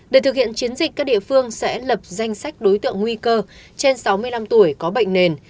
để thực hiện chiến dịch các địa phương sẽ lập danh sách đối tượng nguy cơ trên sáu mươi năm tuổi có bệnh nền